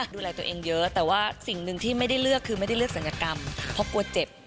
ดูแลตัวเองเยอะแต่ว่าสิ่งหนึ่งที่ไม่ได้เลือกคือไม่ได้เลือกศัลยกรรมเพราะกลัวเจ็บ